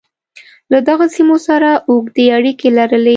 له دغو سیمو سره اوږدې اړیکې لرلې.